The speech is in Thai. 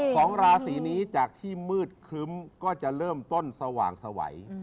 สองราศีนี้จากที่มืดครึ้มก็จะเริ่มต้นสว่างสวัย